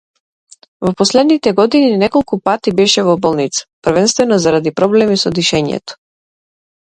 Во последните години неколку пати беше во болница, првенствено заради проблеми со дишењето.